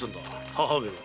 母上は？